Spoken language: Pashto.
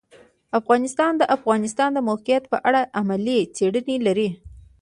افغانستان د د افغانستان د موقعیت په اړه علمي څېړنې لري.